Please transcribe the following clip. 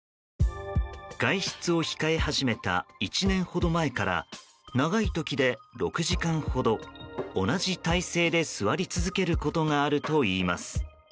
外出を控え始めた１年ほど前から長い時で６時間ほど同じ体勢で座り続けることがあるといいます。